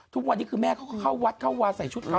ทุกวันนี้คือแม่เขาก็เข้าวัดเข้าวาใส่ชุดเขา